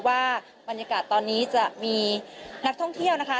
ว่าบรรยากาศตอนนี้จะมีนักท่องเที่ยวนะคะ